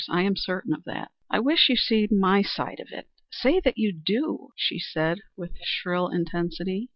I am certain of that." "I wish you to see my side of it. Say that you do," she said, with shrill intensity.